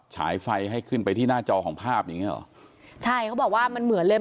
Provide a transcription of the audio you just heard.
ฉายไฟให้ขึ้นไปที่หน้าจอของภาพอย่างเงี้หรอใช่เขาบอกว่ามันเหมือนเลย